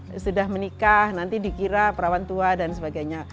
kalau sudah menikah nanti dikira perawan tua dan sebagainya